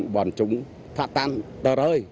bọn chúng phát tan tờ rơi